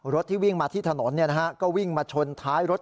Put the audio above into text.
รถที่วิ่งมาที่ถนนเนี่ยนะฮะก็วิ่งมาชนท้ายรถ